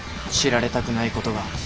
知られたくないことが。